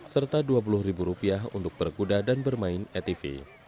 serta rp dua puluh untuk berkuda dan bermain atv